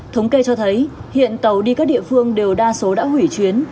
thống kê cho thấy hiện tàu đi các địa phương đều đa số đã hủy chuyến